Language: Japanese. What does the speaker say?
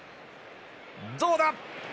どうだ。